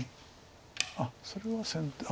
あっそれは先手。